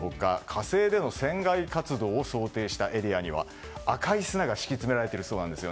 火星での船外活動を想定したエリアでは赤い砂が敷き詰められているそうなんです。